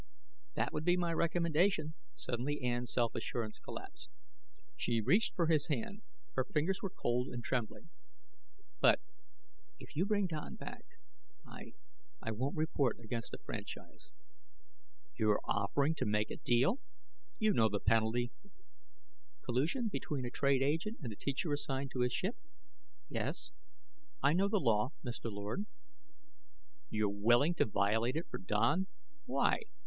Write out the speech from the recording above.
"That would be my recommendation." Suddenly Ann's self assurance collapsed. She reached for his hand; her fingers were cold and trembling. "But, if you bring Don back, I I won't report against a franchise." "You're offering to make a deal? You know the penalty " "Collusion between a trade agent and the teacher assigned to his ship yes, I know the law, Mr. Lord." "You're willing to violate it for Don? Why?